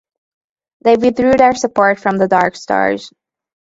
They withdrew their support from the Darkstars.